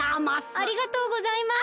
ありがとうございます。